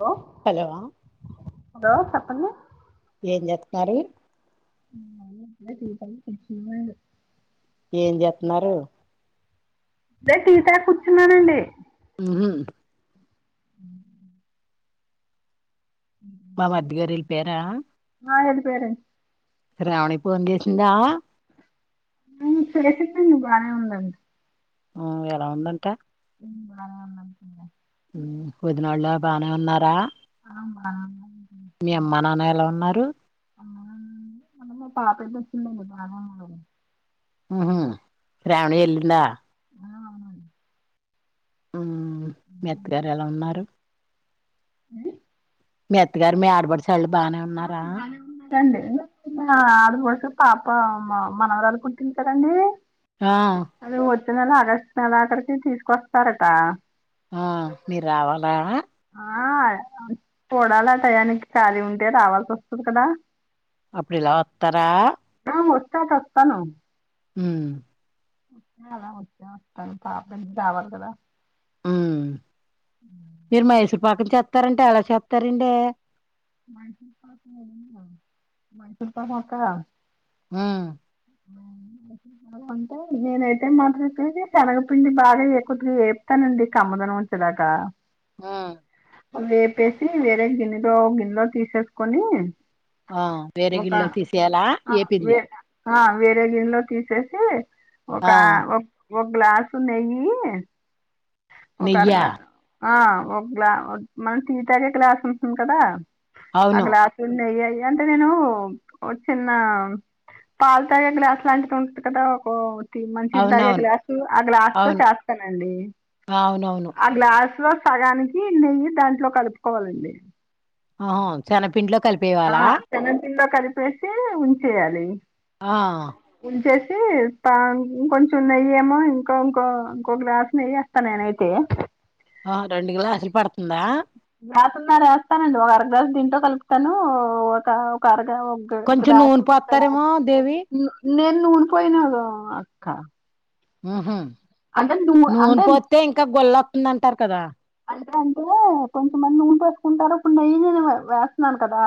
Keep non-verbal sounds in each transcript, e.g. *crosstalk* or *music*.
Hello hello hello చెప్పండి ఏం జేస్తున్నారు ఉమ్ ఇప్పుడే టీ తాగి కూర్చున్నాము ఏం జేతున్నారు ఇప్పుడే టీ తాగి కూర్చున్నానండి ఉహు ఉహ్ మా మరిద్దీగారు వెళ్లిపోయారా ఆ ఎల్లిపోయారండి శ్రావణి ఫోన్ చేసిందా ఆ సీట్లే బాగానే ఉందండి ఆ ఎలా ఉందంట ఉమ్ బానే ఉంది అంటలే ఉహ్ వదినల్లాగా బానే ఉన్నారా ఆ బానేన్నారు మీ అమ్మా నాన్న ఎలా ఉన్నారు అమ్మ నాన్న మొన్న మా పాప వచ్చింద బాగా ఊ శ్రావణి ఎల్లిందా ఆ అవున ఊ మీ అత్తగారు ఎలా ఉన్నారు. ఆ మీ అత్తగారు మీ ఆడపడుచు చాలు బానేవుంది. ఆ బానే ఉన్నారు రండి మా ఆడపడుచు పాప మ మనవరాలు పుట్టింది కదండి ఆ అది వచ్చే నెల ఆగస్టు నెల ఆఖరికి తీసుకొస్తారట ఆ మీరు రావాలా ఆ చూడాలి ఆ టయానికి కాళీ ఉంటే రావాల్సి వస్తది కదా అప్పుడు ఇలాత్తరా ఆ వస్తాక వస్తాను ఉహ్ వస్తే వస్తాను రావాలి కదా ఉమ్ మీరు మైసూర్ పాకం చేతరంట ఎలా చేతరండి మైసూర్ పాక్ ఉన్నాయా మైసూర్ పాక్ ఆ మైసూర్ పాక్ అంటే నేనైతే మాట్ కీ శనగపిండి బాగా ఏప్ ఏపుతానండి కమ్మదనం వచ్చేదాకా ఆ వేపేసి వేరే గిన్నెలో గిన్నెలో తీసేసుకొని ఆ వేరే ఒక గిన్నెలో తీసేయలా ఆ ఏపింది వే ఆ వేరే గిన్నెలో తీసేసి ఒక ఆ ఒ ఒక గ్లాసు నెయ్యి ఒక అర నెయ్యా గ్లాసు ఆ ఒగ్లా మనం టీ తాగే గ్లాస్ ఉంటుంది కదా ఆ అవును గ్లాసుడు నెయ్యి ఎయ్యి అంటే నేను ఒచ్చిన్న పాలు తాగే గ్లాస్ లాంటిది ఉంటుంది కదా ఒక మంచినీళ్లు తాగే అవునవును గ్లాసు ఆ గ్లాస్ తో అవును చేస్తానండి అవునవును ఆ గ్లాసు లో సగానికి నెయ్యి దాంట్లో కలుపుకోవాలండి ఆహా శెనగపిండిలో ఆ కలిపేయాలా శనగపిండిలో కలిపేసి ఉంచేయాలి ఆ ఇన్చేసి త ఇంకొంచెం నెయ్యి ఏమో ఇంకో ఇంకో ఇంకో గ్లాస్ నెయ్యి తనేనేనైతే ఆ రెండు గ్లాసులు పడుతుందా గ్లాసన్నర వేస్తానండి ఒక అరగ్లాసు దీంట్లో కలుపుతాను ఒక ఒక అరగా కొంచెం నూనె గ్రాస్లు పోత్తారేమో దేవి నేను నూన పోయినాడు అక్క ఉహు అంటే నూ అంటే నూనె పోస్తే ఇంకా గుల్లొతుందంటారు కదా అంటే అంటే కొంచెమంది నూనె పోసుకుంటారు ఇప్పుడు నెయ్యి నేను వేస్తున్నాను కదా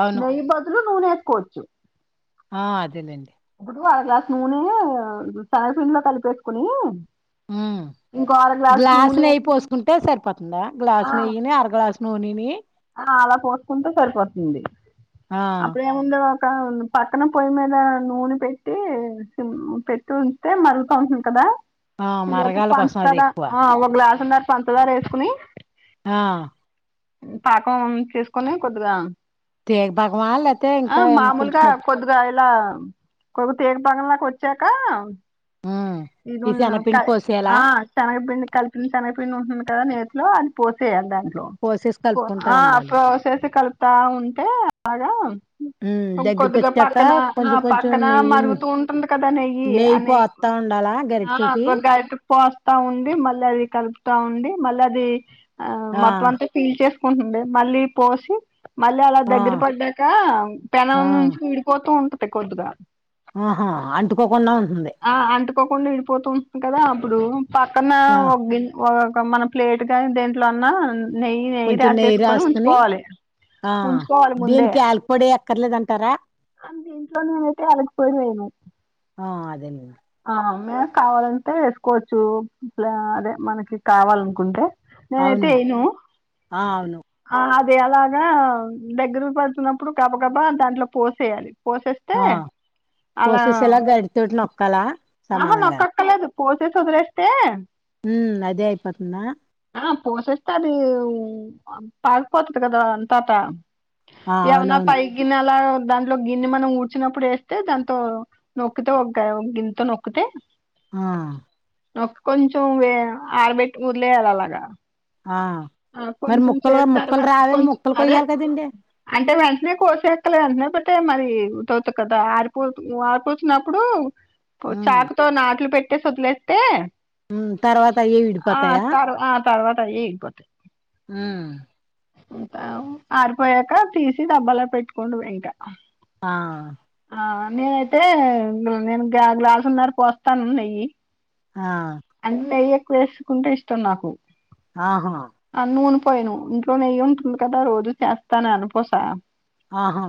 అవును నెయ్యి బదులు నూనె వేసుకోవచ్చు ఆ అదేలేండి ఇప్పుడు అర గ్లాస్ నూనె సన్న పిండి లో కలిపెసుకుని ఉమ్ గ్లాసు నెయ్యి పోసుకుంటే సరిపోతుందా ఆ గ్లాస్ నెయ్యిని అర గ్లాసు నూనేని ఆ అలా పోసుకుంటే సరిపోతుంది ఆ అప్పుడు ముందు ఒక పక్కన పొయ్యి మీద నూనె పెట్టి పెట్టు మళ్ పంటుందా ఆ ఈ లోపు మరగాల కోసం అది పంచదార ఎక్కువ ఒక గ్లాస్ ఉ పంచదారు వేసుకుని ఆ పాకం చేసుకుని కొద్దిగా తేనె పాకమా లేతే ఇంకా కొంచెం ఇదిగో ఇలా కొ తేనె పాకం వచ్చాక ఆ ఈ ఇదిన్న శనపిండి పోసేయాలా ఆ శనగపిండి కలిపిన శనగపిండి ఉంటుంది కదా నేతీ లో అది పోసేయాలి దాంట్లో పోసేస్ ఆ పోసేసి కలుపుతా ఉంటే బాగా ఉమ్ దగ్గరికి కొద్దిగా వచ్చాక పక్కన ఆ కొంచెం కొంచెం పక్కన నెయ్యి మరుగుతూ ఉంటుంది కదా నెయ్యి ఆ నెయ్యి పోత్తా ఉండాలా ఆ గరిటెతోటి ఒక్కో గరిట పోస్తా ఉండి మళ్ళీ అది కలుపుతా ఉండి మళ్ళీ అది ఆ మొత్తం అంతా ఫీల్ చే సుకుంటుంది మళ్ళీ పోసి మళ్ళీ అలా ఆ దగ్గర పడ్డాక పెనం ఆ నుంచి విడిపోతూ ఉంటది కొద్దిగా ఆహా అంటుకోకుండా ఉంటుంది ఆ అంటుకోకుండా విడిపోతుంటుంది కదా అప్పుడు పక్కన ఆ ఒ గెంటి ఒక మన ప్లేట్ గా దీంట్లో అన్న నెయ్యి నెయ్యి కొంచెం రాసేసుకొని రాసుకుని ఉంచుకోవాలి ఆ ఉంచుకోవాలి దీనికి ఆయల్పడి అక్కర్లేదంటారా అ దీంట్లో నేనైతే అళ్కిపోయి నేను ఆ అదే నేను ఆ మే కావాలంటే వేసుకోవచ్చు అదే మనకి కావాలనుకుంటే నేనైతే అవును ఏయను ఆ అవును ఆ అది అలాగా దగ్గరకు పడుతున్నప్పుడు గబ గబ దాంట్లో పోసేయాలి పోసేస్తే అలా తటి నొక్కాల ఆహ నక్కక్కలేదు కోసేసి వదిలేస్తే ఉ అదే అయిపోతుందా ఆ పోసేస్తది పాగిపోతుంది కదా అంతటా ఆ ఏమన్నా అవునవును గిన్నె అలా దాంట్లో గిన్నె మనం ఊడ్చినప్పుడు ఏస్తే దాంతో నొక్కితో ఒక్క గిన్నెతో నొక్ తే ఆ కొంచెం వ ఆడబెట్టి వదిలేయాలి అలాగా ఆ ఆ మరి కొంచం ముక్కలు ముక్కలు చేతర్వాత రావే కొంచం ముక్కలు అదే కొయ్యాలి కదండి అంటే వెంటనే కోసేక్కలే వెంటనే పెట్టే మరి టవుతు కదా ఆరిపో ఆడిపోతున్నప్పుడు చాక్ తో నాట్లు పెట్టేసి వదిలే ఉమ్ తర్వాత అయ్యే ఆ విడిపోతాయా తర్వా తర్వాతయే ఇపోతే ఉ ఆరిపోయాక తీసి డబ్బలో పెట్టుకోండు ఇంకా ఆ ఆ నేనైతే నేను గ్లాసు నర్ర పోస్తాను నెయ్యి ఆ అంట నెయ్య ఎక్కు వేసుకుంటే ఇష్టం నాకు ఆహా ఆ నూన్ పోయిను ఇంట్లో నెయ్యి ఉంటుంది కదా రోజు చేస్తాను అను పోసా ఆహా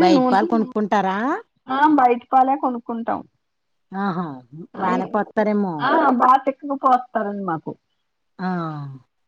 బయట నూనె పాలు కొనుక్కుంటారా ఆ బయట పాలే కొనుక్కుంటాం ఆహా అయి బానే పడతారేమో ఆ బాగా ఎక్కుకు పోస్తారండి మాకు ఆ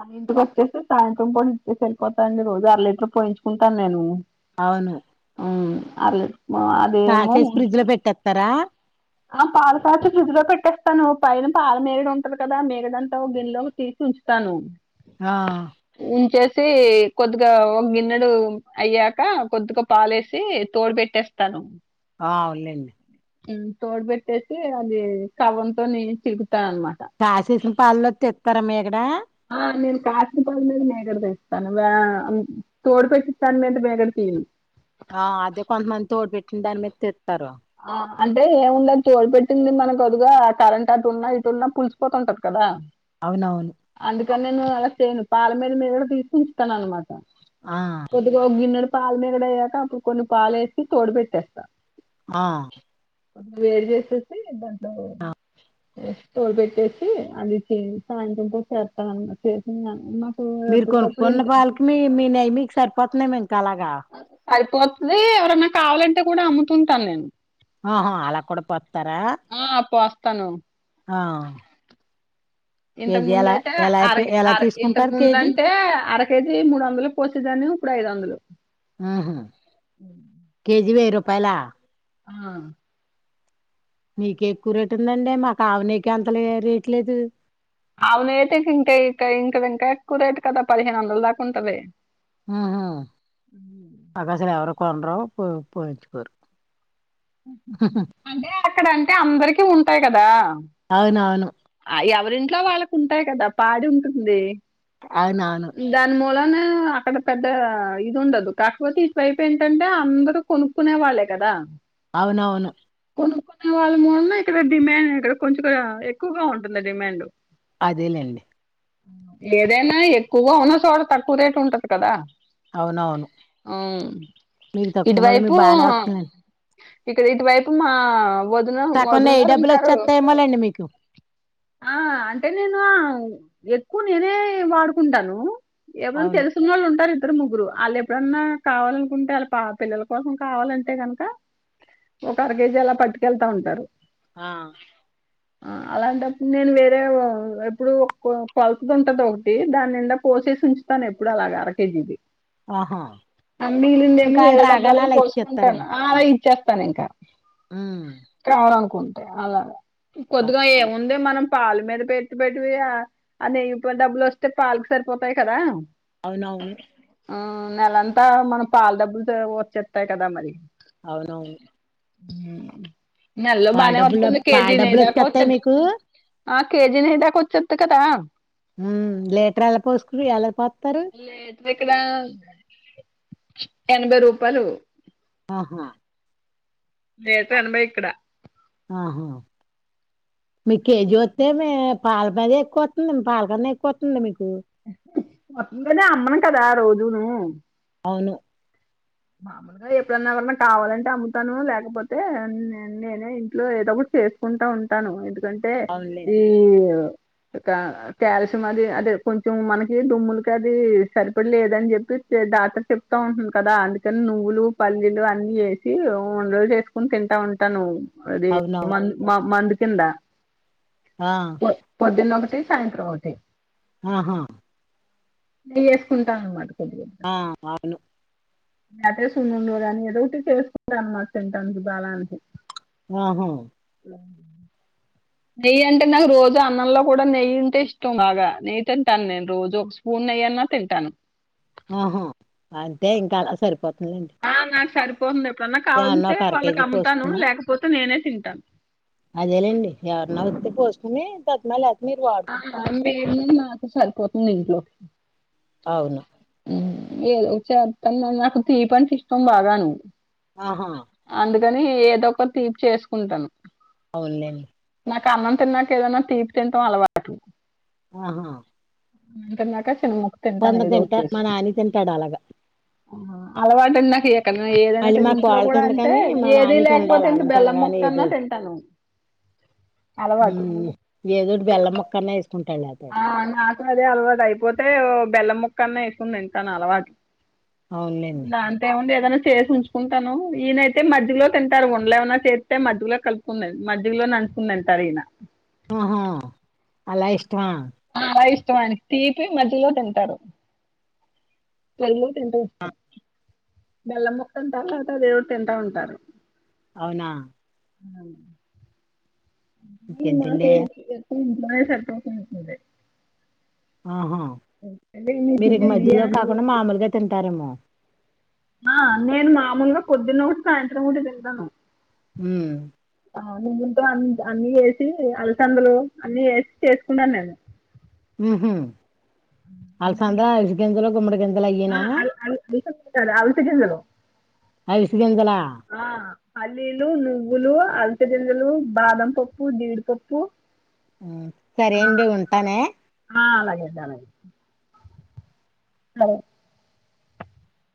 అని ఇంటికి వచ్చేసి సాయంత్రం పడి ఇచ్చేసి వెళ్ళిపోతానండి రోజు అర లీటర్ పోయించుకుంటాను నేను అవును అ అ కాసేసి ఫ్రిడ్జ్ లో పెట్టేత్తరా ఆ పాల పాకిట్లు ఫ్రిడ్జ్లో పెట్టా పైన పాల మీగడ ఉంటది కదా మీగడంతా ఒక గిన్నెలోకి తీసి ఉంచుతాను ఆ ఉంచేసి కొద్దిగా ఒక గిన్నెడు అయ్యాక కొద్ కొద్ పాలేసి తోడు పెట్టేస్తాను ఆ అవులేండి తోడ్ పెట్టేసి అది కవ్వంతో నేను చిలుకుతా అనమాట కాసేసిన పాలల్లో తీత్తరా మీగడ ఆ నేను కాస్పని మీద మీగడ తెస్తాను తోడుపెట్టిస్తాను మీద మీగడ తీయను ఆ అదే కొంతమంది తోడి పెట్టిన దాని మీద తీత్తరు ఆ అంటే ఏముందది తోడ్ పెట్టింది మనకు అదుగా కరెంట్ అటున్న ఇటున్నా పులిసిపోతుంటది కదా అవునవును అందుక నేను అలా సేయను పాలమేద మీగడ తీస్ ఉస్తాననమాట ఆ గో గిన్నెడు పాలు మీగడయ్యాక అక్కుడ్ కొన్ని పాలేసి తోడు పెట్టేస్తా మా కొద్ వేడ్ జేసేసి దాంట్లో యేష్ తోడు బెట్టేసి అది చిన్ సాయంత్రంతో *unintelligible* మీరు కొన్ ఎప్పటికప్పుడు కొన్న ఇంత పాళ్కి మీ మీ నెయ్ మీక్ సరిపోతున్నామో ఇంకా అలాగా సరిపోత్తుది ఎవరన్నా కావాలంటే కూడా అమ్ముతుంటానేన్ ఆహొ అలా కూడా పోత్తారా ఆ ప్పోస్తాను ఆ ఇంతక్ కేజీ ఎలా ముందయితే ఎలా అయిపోయి అరకి ఎలా అర్ ఇంతక్ తీసుకుంటారు కేజీ ముందంటే అరక్ కేజీ మూడోందలక్ పోసేదాన్ని ఇప్పుడ్ ఐదోందలు ఆహు ఉ కేజీ వెయ్ రూపాయలా ఆ నీకే ఎక్కువ్ రేట్ ఉందండే మాకావు నెయ్ కంతలే రేట్ లేదు అవునేతి కింకా ఈక ఇంకా ఇంకా ఎక్కువ రేట్ కదా పదిహేన్ వొందల దాకుంటది ఆహ నాకసల్ ఎవరు కొనరు పో పోయించుకోరు హు హు హు అంటే అక్కడంటే అందరికి ఉంటాయి కదా అవునవును అ యేవరింట్లో వాళ్ళకుంటాయి కదా పాడింటుంది ఆవునావును దాని మూలనే అక్కడ పెద్ద ఇదుండదు కాకపోతే ఇటువైప్ ఏంటంటే అందరూ కొనుక్కునే వాళ్ళే కదా అవునవును కొనుకునే వాళ్ళ మూలన ఇక్కడ డిమాండ్ ఇక్కడ కొంచె అ ఎక్కువగా ఉంటుంది డిమాండ్ అదేలేండి ఏదైనా ఎక్కువగా ఉన్న చోడ తక్కువ్ రేట్ ఉంటది కదా అవునవును ఆవ్ మీకు తక్కువ మళ్ళీ ఇటువైపు మీకు బాగానే వస్తుందండి ఇక్కడ్ ఇటువైపు మా వధన వధున గారుంటారు మలండి మీకు ఆ అంటే నేను అవ్ ఎక్కువ్ నేనే వాడుకుంటాను ఎవరన్ అవును తెలుసున్నోళ్ళుంటారు ద్దరు ముగ్గురు ఆళ్లేప్పుడన్నా కావాలనుకుంటే ఆళ్ళ పా పిల్లల కోసం కావాలంటే గనక ఒక అర కేజీ అలా పట్టుకెళ్తా ఉంటారు ఆ అ అలాంటప్ నేను వేరే వా ఎప్పుడు కొ కొల్తుద్ ఉంటద్ ఒకటి దాని నిండా పోసేసుంచ్ స్తాన్ ఎప్పుడలాగ అరకేజీది ఆహా అన్నిలీందేమో ఇంకా ఆళ్ళు వేరే రాగానే డబ్బాలో అలా పోసుకుంటాన్నా ఇచ్చేస్తారేమో ఆ ఇచ్చేస్తానింకా ఉమ్ కావరనుకుంటే అలాగ కొద్దిగా ఏమో ముందే మనం పాల్ మీద పెట్తి పెట్ వియా అ నెయ్యి పొ డబ్బులొస్తే పాలక్ సరిపోతాయి కదా అవునవును ఆ నెలంతా మనం పాల్ డబ్బుల్ తే వచ్చేతై కదా మరి అవునవును నెల్లో పాల బానే డబ్బులు వొత్తుంది పాల కేజీ నెయి డబ్బులు దాకా వచ్చేస్తాయి వొచ్చీద్ది మీకు ఆ కేజీ నెయ్యి దాకా ఒచ్చిది కదా ఉమ్ లీట్రు ఎలాపోస్తుంది ఎలాపోత్తరు విక్న ఎనభై రూపాలు ఆహా లీట్రు ఎనభై ఇక్కడ ఆహా మీకు కెజోవొతే మె పాలల్పది ఎక్వతుంది పల్కన్నా ఎక్వతాంది మీకు మొత్తంగనే అమ్మను కదా రోజును అవును *inaudible* అ ఎప్పుడన్నా ఎవన్నా కాటావాలంటే అమ్ముతానూ లేకపోతే నేన్ నేనే ఇంట్లో ఏదో ఒకట్ చేస్ కుంటా ఉంటాను ఎందుకంటే అవునులేండి ఈవ్ గా క్యాల్షం అది అదే కొంచెం మనకి డుమ్ములకది సరిపడి లేదని జేప్పి చే డాటర్ చెప్ తోవుతుంది కదా అందుక్ కాన్ నువ్వులు పల్లీలు అన్నీ ఎసి వుండాలు చేస్కొని తింటా ఉంటానూ అదీ అవునవును మన్ మన్ మండుకిండా ఆ పొద్దున ఒకటి సాయింత్ర ఒటి ఆహా నే ఎస్కుంటాం అన్మాట కొద్దిగా ఆ అవును అటే సున్నుండలు అని ఏదో ఒకటి చేస్కుంటా అమ్మాట తింటానికి బలనికి వాహో *inaudible* నెయ్యంటే నాకు రోజు అన్నంలో గూడా నెయ్యి ఉంటే ఇష్టం బాగా నెయితింటాను నేను రోజు ఒక్ ఉన్నయన్నా తింటాను ఆహా అంటే ఇంకా అలా సరిపోతుంలెండి ఆ నాకు సరిపోతుంది ఎప్పుడన్నా కావలంటే ఒక అర వాళ్ళకి కేజీ అమ్ముతాను పోసుకున్నా లేకపోతే నేనే తింటా అదేలేండి ఎర్న ఓతే పోస్కుని తట్నల ఆ మేం మాకే సర్పోతుంది ఇంట్లో అవును ఉమ్ ఏదో చేత్తన్నా నాక్ తిపంటే ఇష్టం బాగా నీ ఆహా అందుకనీ ఏదో ఒక తీప్ చేస్కుంటం అవునులేండి నాకు అన్నం తిన్నాక ఏదన్నా తీపి తింటవ్ అలవాటు ఆహా ఉమ్ తిన్నాక సిన్నగా కొందర్ తింటారు మా నాని తింటాడు అలాగా అలవాటున్న కియ్య కన్న ఏదైనా మళ్ళీ సరే మా ఈ కోడకింద అప్పుడంతే కాని మా ఏది నానికి ఉండాలి లేకపోతే ఇంత అన్నం బెల్లం తినగానే ముక్కన్న ఏదోటి తింటాను. అలవాటు ఉమ్ ఏదోటి బెల్లం ముక్కన్న ఏస్కుంటాలే అద్ ఆ నాకు అదే అలవాటైపోతే ఓ బెల్లముక్కన్న ఏస్కోన్ తింటాన్ అలవాట్ అవునులేండి దాన్ దేముంది ఏదైన చేసి ఉంచుకుంటాను ఈయనైతే మధ్యలో తింటారు ఉండ్లేమన్నా చేస్తే మధ్యలో కల్ మధ్యలో నంచుందంటార్ ఈయన ఆహా అలా ఇష్టమా? చాలా ఇష్టం ఆయనకు తీపి మధ్యలో తింటారు. పెల్లు తింటూ ఉంట బెల్లం ముక్కంతా తాత దేవు తింటా ఉంటారు. అవునా అవున్ ఇంకేంటండీ? మ్ పోయేసరిక్ *unintelligible* ఆహా మీకు మీర్ ఈ మధ్యలో ఇదైనయా కాకుండా మామూల్గా తింటారేమో ఆ నేను మామూల్గా పొద్దున్ ఒకటి సాయంత్రం ఒకటి తింటాను. మ్ ఆ నేన్ దీంతో అన్ అన్ని వేసి అలసందలు అన్ని ఏసి చేస్కుంటాను నేను మ్ హ్ అల్సంద, అరి గింజలు, గుమ్మడి గింజ ఆ అల్ అల్ అల్స అల్స గింజలు అవిసె గింజలా ఆ పల్లీలు, నువ్వులు, అల్స గింజలు, బాదం పప్పు, జీడిపప్పు, సరే ఆ, అండి ఉంటానే ఆ అలాగే అండి అలాగే సరే